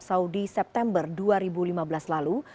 saudi september dua ribu lima belas lalu